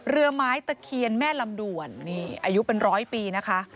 เรือไม้ตะเคียนแม่ลำด่วนนี่อายุเป็นร้อยปีนะคะ